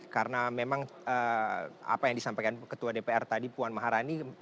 karena memang apa yang disampaikan ketua dpr tadi puan maharani